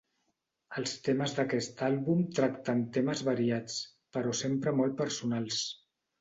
Els temes d'aquest àlbum tracten temes variats, però sempre molt personals.